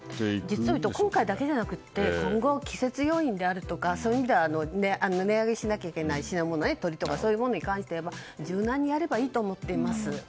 実を言うと今回だけじゃなくて今後、季節要因とかそういう意味では値上げしなきゃいけないものそういうものに関しては柔軟にやればいいと思います。